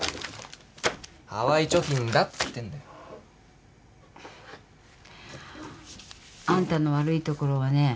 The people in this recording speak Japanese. ハワイ貯金だっつってんだよ。あんたの悪いところはね